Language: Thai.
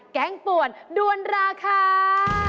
แก๊งป่วนดวนราคา